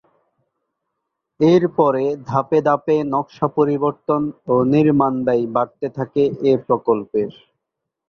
এর পরে ধাপে ধাপে নকশা পরিবর্তন ও নির্মাণ ব্যয় বাড়তে থাকে এ প্রকল্পের।